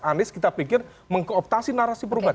anies kita pikir mengkooptasi narasi perubahan